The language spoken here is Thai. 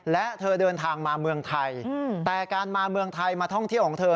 และเธอเดินทางมาเมืองไทยแต่การมาเมืองไทยมาท่องเที่ยวของเธอ